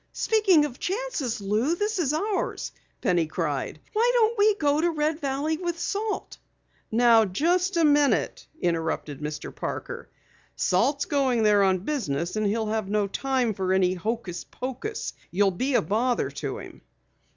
"Speaking of chances, Lou, this is ours!" Penny cried. "Why don't we go to Red Valley with Salt?" "Now just a minute," interrupted Mr. Parker. "Salt's going there on business and he'll have no time for any hocus pocus. You'll be a bother to him!"